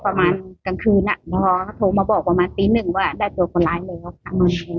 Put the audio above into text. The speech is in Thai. ประมาณกลางคืนพอเขาโทรมาบอกประมาณตี๑ว่าได้เจอคนร้ายเลยแล้วค่ะ